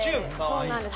そうなんです。